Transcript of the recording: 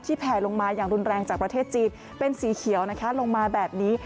แผลลงมาอย่างรุนแรงจากประเทศจีนเป็นสีเขียวนะคะลงมาแบบนี้